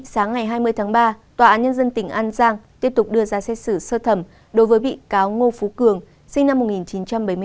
sáng ngày hai mươi tháng ba tòa án nhân dân tỉnh an giang tiếp tục đưa ra xét xử sơ thẩm đối với bị cáo ngô phú cường sinh năm một nghìn chín trăm bảy mươi tám